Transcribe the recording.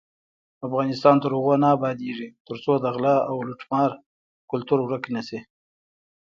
افغانستان تر هغو نه ابادیږي، ترڅو د غلا او لوټمار کلتور ورک نشي.